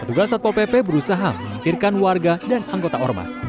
petugas satpol pp berusaha menyingkirkan warga dan anggota ormas